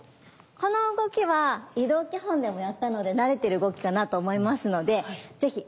この動きは移動基本でもやったので慣れてる動きかなと思いますので是非